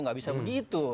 enggak bisa begitu